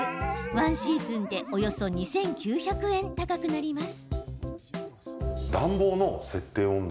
１シーズンでおよそ２９００円高くなります。